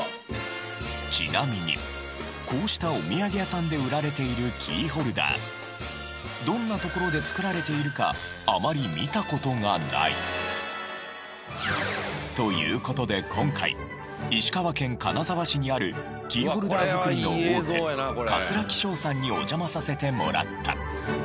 ちなみにこうしたおみやげ屋さんで売られているキーホルダーどんな所で作られているかあまり見た事がない。という事で今回石川県金沢市にあるキーホルダー作りの大手桂記章さんにお邪魔させてもらった。